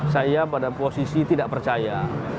saya pada posisi tidak percaya